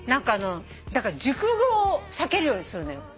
熟語を避けるようにするのよ。